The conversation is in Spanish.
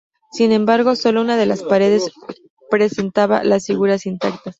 Sin embargo, sólo una de las paredes presentaba las figuras intactas.